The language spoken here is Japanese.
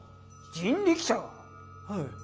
はい。